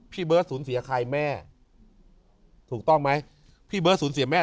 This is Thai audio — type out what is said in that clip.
พี่เบิร์ดศูนย์เสียคายแม่ถูกต้องไหมพี่เบิร์ดศูนย์เสียแม่